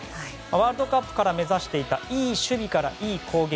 ワールドカップから目指していたいい守備からいい攻撃。